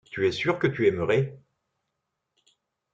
Tu es sûr que tu aimerais.